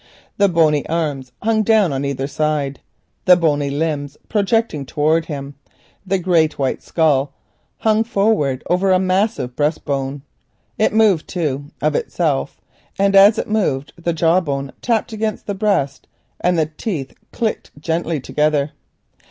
The bony arms hung down on either side, the bony limbs projected towards him, the great white skull hung forward over the massive breast bone. It moved, too, of itself, and as it moved, the jaw bone tapped against the breast and the teeth clacked gently together.